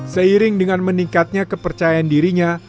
seiring dengan meningkatnya kepercayaan dirinya